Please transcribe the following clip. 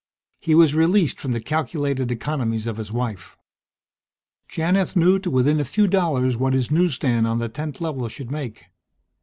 He was released from the calculated economies of his wife. Janith knew to within a few dollars what his newsstand on the 10th Level should make.